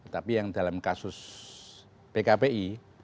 tapi yang dalam kasus pkpi